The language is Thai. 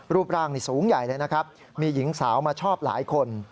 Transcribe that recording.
รูปร่างนี่สูงใหญ่เลยนะครับมีหญิงสาวมาชอบหลายคน